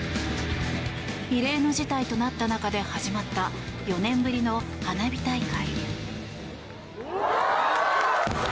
異例の事態となった中で始まった４年ぶりの花火大会。